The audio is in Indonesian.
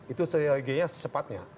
itu strategi nya secepatnya